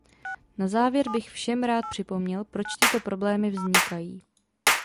Na závěr bych všem rád připomněl, proč tyto problémy vznikají.